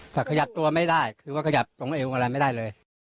ถ้าขยับตัวไม่ได้คือว่าขยับตรงเอวอะไรไม่ได้เลย